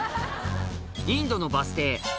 インドのバス停